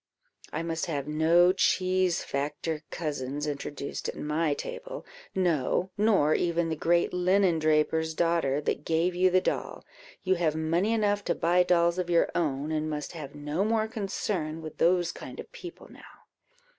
I must have no cheese factor cousins introduced at my table; no, nor even the great linen draper's daughter that gave you the doll; you have money enough to buy dolls of your own, and must have no more concern with those kind of people now."